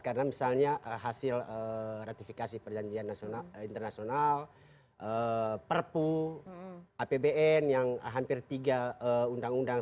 karena misalnya hasil ratifikasi perjanjian internasional perpu apbn yang hampir tiga undang undang